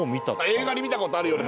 映画で見たことあるような。